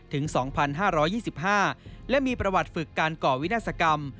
ถึงสองพันห้าร้อยยี่สิบห้าและมีประวัติฝึกการก่อวินาศกรรม